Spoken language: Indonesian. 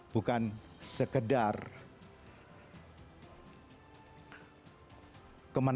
bukan sekedar kemenangan